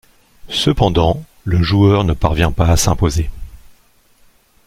Cependant, le joueur ne parvient pas à s'imposer.